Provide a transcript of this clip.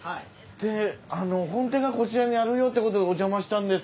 で本店がこちらにあるよってことでお邪魔したんです。